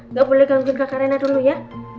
nggak boleh gangguin kakak reina dulu ya